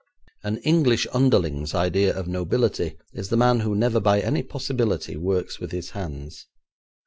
An English underling's idea of nobility is the man who never by any possibility works with his hands.